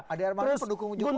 adi armando pendukung jokowi